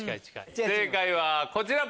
正解はこちら。